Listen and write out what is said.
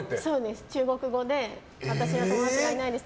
中国語で私は友達がいないです